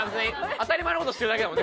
当たり前の事してるだけだもんね